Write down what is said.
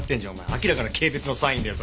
明らかな軽蔑のサインだよ